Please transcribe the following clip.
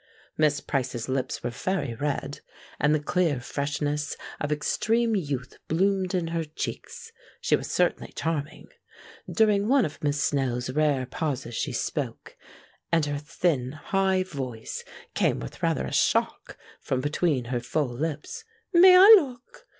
Miss Price's lips were very red, and the clear freshness of extreme youth bloomed in her cheeks; she was certainly charming. During one of Miss Snell's rare pauses she spoke, and her thin high voice came with rather a shock from between her full lips. "May I look?"